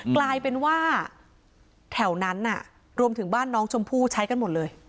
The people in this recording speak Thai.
กลายเป็นว่าแถวนั้นรวมถึงบ้านน้องชมพู่ใช้กันหมดเลย